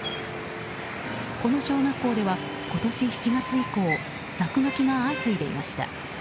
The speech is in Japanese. この小学校では今年７月以降落書きが相次いでいました。